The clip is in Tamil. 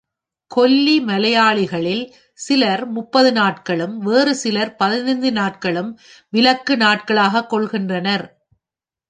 கொல்லி மலையாளிகளில் சிலர் முப்பது நாட்களும், வேறு சிலர் பதினைந்து நாட்களும் விலக்கு நாட்களாகக் கொள்கின்றனர்.